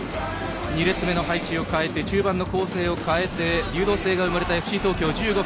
２列目の配置を変えて中盤の構成を変えて流動性が生まれたＦＣ東京１５分。